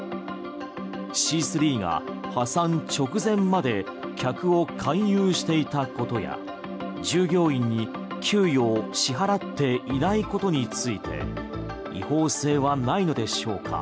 シースリーが破産直前まで客を勧誘していたことや従業員に給与を支払っていないことについて違法性はないのでしょうか？